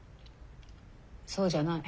そうじゃない。